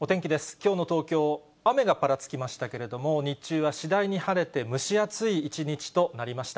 きょうの東京、雨がぱらつきましたけれども、日中は次第に晴れて、蒸し暑い一日となりました。